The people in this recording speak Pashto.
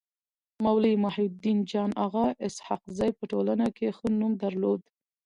مولوي محي الدين جان اغا اسحق زي په ټولنه کي ښه نوم درلود.